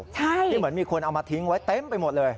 ที่เหมือนมีคนเอามาทิ้งไว้เต็มไปหมดเลย